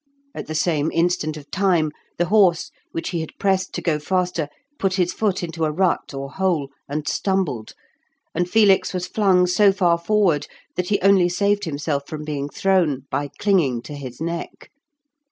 At the same instant of time, the horse, which he had pressed to go faster, put his foot into a rut or hole, and stumbled, and Felix was flung so far forward that he only saved himself from being thrown by clinging to his neck.